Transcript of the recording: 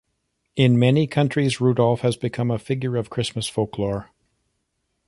In many countries, Rudolph has become a figure of Christmas folklore.